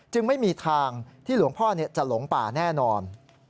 ไม่มีทางที่หลวงพ่อจะหลงป่าแน่นอน